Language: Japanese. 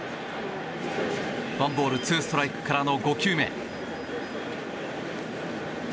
ワンボールツーストライクからの５球目。